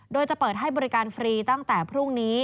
โดยจะเปิดให้บริการฟรีตั้งแต่พรุ่งนี้